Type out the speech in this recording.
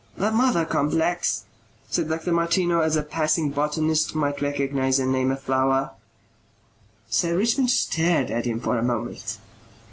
"The mother complex," said Dr. Martineau as a passing botanist might recognize and name a flower. Sir Richmond stared at him for a moment.